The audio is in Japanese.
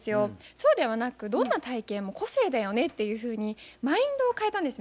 そうではなくどんな体型も個性だよねっていうふうにマインドを変えたんですね